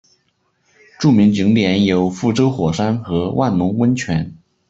著名景点有覆舟火山和万隆温泉。